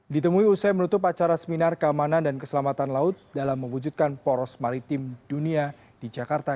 ditemui usai menutup acara seminar keamanan dan keselamatan laut dalam mewujudkan poros maritim dunia di jakarta